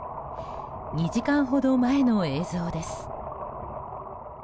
２時間ほど前の映像です。